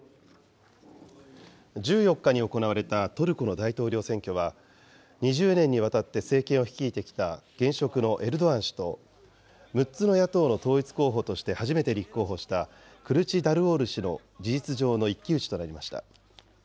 １４日に行われたトルコの大統領選挙は、２０年にわたって政権を率いてきた現職のエルドアン氏と、６つの野党の統一候補として初めて立候補したクルチダルオール氏の事実上の一騎打ちとなりました。